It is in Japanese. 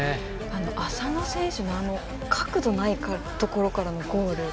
浅野選手の角度のないところからのゴール。